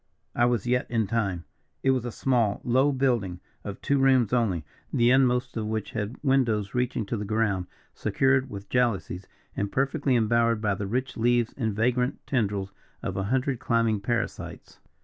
I was yet in time! It was a small, low building of two rooms only, the inmost of which had windows reaching to the ground, secured with jalousies, and perfectly embowered by the rich leaves and vagrant tendrils of a hundred climbing parasites.